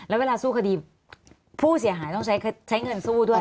แล้วเวลาสู้คดีผู้เสียหายต้องใช้เงินสู้ด้วย